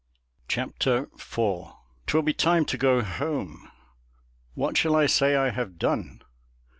Chapter IV 'Twill be time to go home. What shall I say I have done?